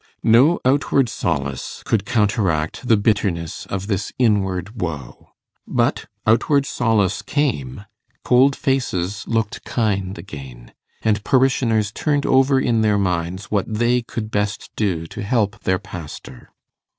No outward solace could counteract the bitterness of this inward woe. But outward solace came. Cold faces looked kind again, and parishioners turned over in their minds what they could best do to help their pastor.